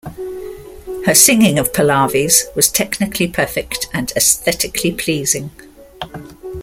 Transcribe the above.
Her singing of pallavis was technically perfect, and aesthetically pleasing.